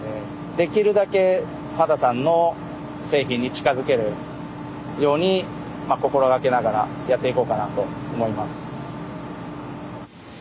できるだけ羽田さんの製品に近づけるようにまあ心掛けながらやっていこうかなと思います。